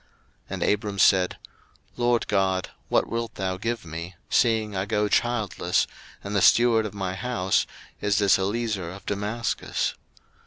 01:015:002 And Abram said, LORD God, what wilt thou give me, seeing I go childless, and the steward of my house is this Eliezer of Damascus?